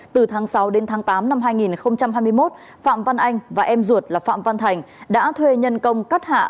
từ tháng sáu đến tháng tám năm hai nghìn hai mươi một phạm văn anh và em ruột là phạm văn thành đã thuê nhân công cắt hạ